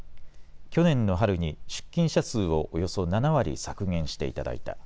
去年の春に出勤者数をおよそ７割削減していただいた。